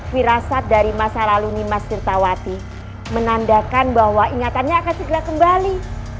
wirasat dari masa lalu nih mas tirtawati menandakan bahwa ingatannya akan segera kembali